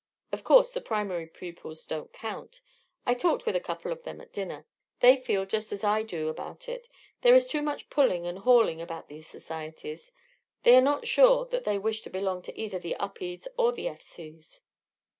Of course, the Primary pupils don't count. I talked with a couple of them at dinner. They feel just as I do about it there is too much pulling and hauling about these societies. They are not sure that they wish to belong to either the Upedes or the F. C.'